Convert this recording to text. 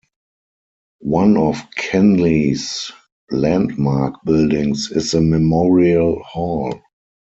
One of Kenley's landmark buildings is the Memorial Hall.